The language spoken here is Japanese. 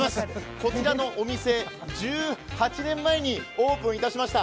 こちらのお店、１８年前にオープンいたしました。